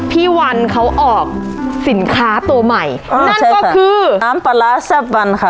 พี่วันเขาออกสินค้าตัวใหม่นั่นก็คือน้ำปลาร้าแซ่บวันค่ะ